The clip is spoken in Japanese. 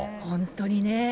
本当にね。